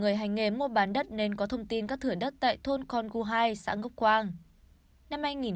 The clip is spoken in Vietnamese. các bạn có thông tin các thửa đất tại thôn con gu hai xã ngốc quang